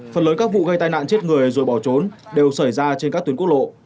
phần lớn các vụ gây tai nạn chết người rồi bỏ trốn đều xảy ra trên các tuyến quốc lộ